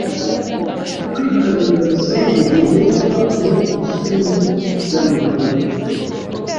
Kwitabira bisanzwe ni ngombwa mu ishuri ry’amahanga.